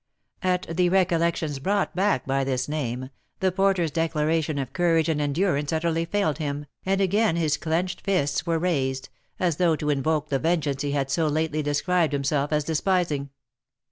At the recollections brought back by this name, the porter's declaration of courage and endurance utterly failed him, and again his clenched fists were raised, as though to invoke the vengeance he had so lately described himself as despising.